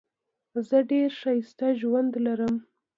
زه ډېر ښکلی ژوند لرم.